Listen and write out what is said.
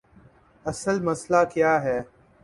اصل مسئلہ کیا ہے؟